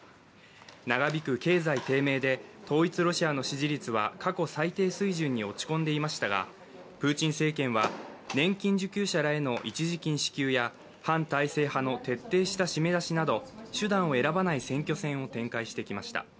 長引く経済低迷で統一ロシアの支持率は過去最低水準に落ち込んでいましたがプーチン政権は年金受給者らへの一時金支給や反体制派の徹底した締め出しなど手段を選ばない選挙戦を展開してきました。